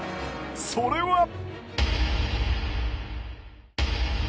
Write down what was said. それは。